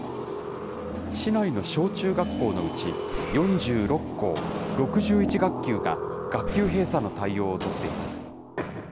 市内の小中学校のうち、４６校、６１学級が、学級閉鎖の対応を取っています。